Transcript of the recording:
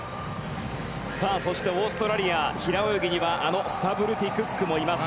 そして、オーストラリア平泳ぎには、あのスタブルティ・クックもいます。